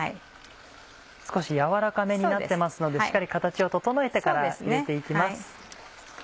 少し軟らかめになってますのでしっかり形を整えてから入れて行きます。